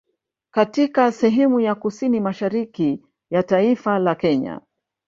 Katika sehemu ya kusini mashariki ya taifa la Kenya